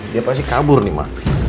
dia pasti kabur nih mas